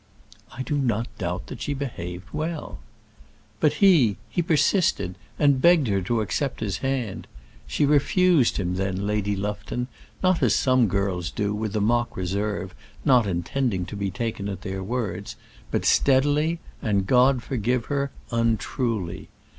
"I do not doubt that she behaved well." "But he he persisted, and begged her to accept his hand. She refused him then, Lady Lufton not as some girls do, with a mock reserve, not intending to be taken at their words but steadily, and, God forgive her, untruly.